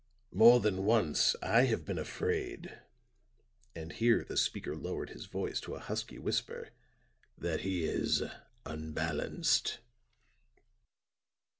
More than once I have been afraid," and here the speaker lowered his voice to a husky whisper, "that he is unbalanced."